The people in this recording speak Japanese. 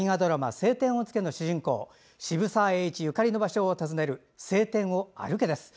「青天を衝け」の主人公渋沢栄一ゆかりの場所を訪ねる「青天を歩け！」です。